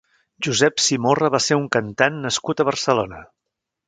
Josep Simorra va ser un cantant nascut a Barcelona.